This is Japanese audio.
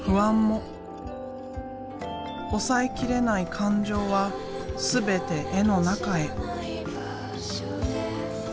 抑えきれない感情は全て絵の中へ。